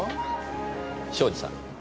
庄司さん